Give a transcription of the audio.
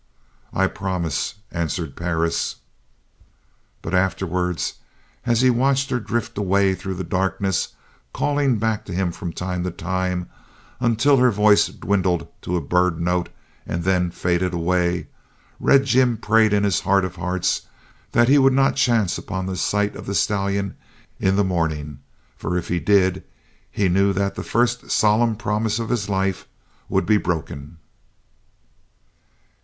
"I promise," answered Perris. But afterwards, as he watched her drift away through the darkness calling back to him from time to time until her voice dwindled to a bird note and then faded away, Red Jim prayed in his heart of hearts that he would not chance upon sight of the stallion in the morning, for if he did, he knew that the first solemn promise of his life would be broken.